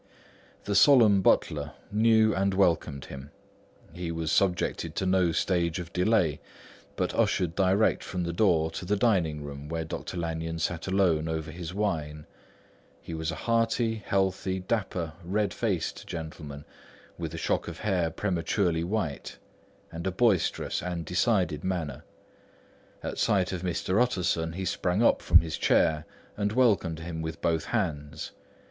The solemn butler knew and welcomed him; he was subjected to no stage of delay, but ushered direct from the door to the dining room where Dr. Lanyon sat alone over his wine. This was a hearty, healthy, dapper, red faced gentleman, with a shock of hair prematurely white, and a boisterous and decided manner. At sight of Mr. Utterson, he sprang up from his chair and welcomed him with both hands.